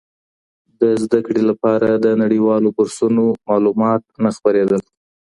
د زده کړې لپاره د نړیوالو بورسونو معلومات نه خپرېدل.